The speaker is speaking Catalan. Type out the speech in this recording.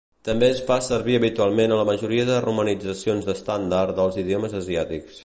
També es fa servir habitualment a la majoria de romanitzacions estàndard del idiomes asiàtics.